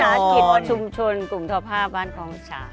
พี่วันชุมชนกลุ่มทวภาพบ้านหวังชา